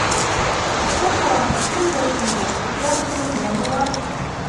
Тыштан ҡарағанда шундай күндәм, ихлас күренгән була.